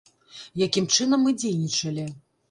Якім чынам мы дзейнічалі?